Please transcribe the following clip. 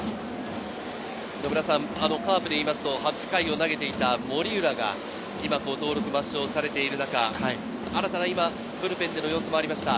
カープでいいますと、８回を投げていた森浦が今、登録抹消されている中、新たな今、ブルペンでの様子もありました。